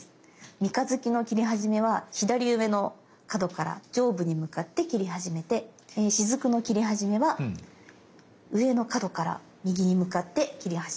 三日月の切り始めは左上の角から上部に向かって切り始めてしずくの切り始めは上の角から右に向かって切り始めます。